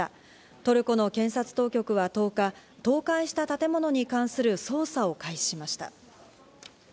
トルコの検察当局は１０日、倒壊した建物に関する捜査を開始しました。